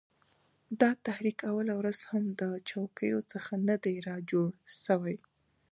دا تحریک اوله ورځ هم د چوکیو څخه نه دی را جوړ سوی